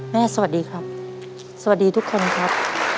สวัสดีครับสวัสดีทุกคนครับ